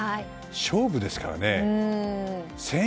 勝負ですからね。